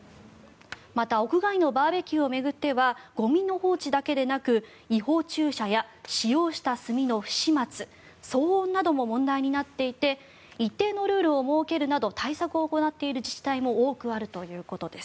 また屋外のバーベキューを巡ってはゴミの放置だけでなく違法駐車や使用した炭の不始末騒音なども問題になっていて一定のルールを設けるなど対策を行っている自治体も多くあるということです。